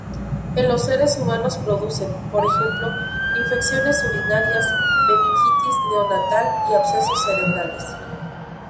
En los seres humanos producen, por ejemplo, infecciones urinarias, meningitis neonatal y abscesos cerebrales.